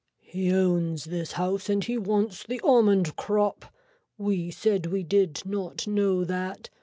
He owns this house and he wants the almond crop. We said we did not know that.